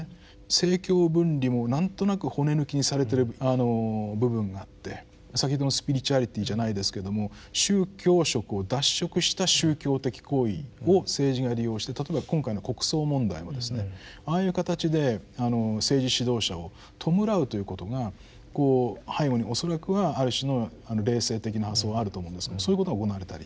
政教分離も何となく骨抜きにされてる部分があって先ほどのスピリチュアリティじゃないですけども宗教色を脱色した宗教的行為を政治が利用して例えば今回の国葬問題もですねああいう形で政治指導者を弔うということが背後に恐らくはある種の霊性的な発想あると思うんですけれどもそういうことが行われたり。